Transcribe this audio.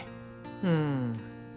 うん。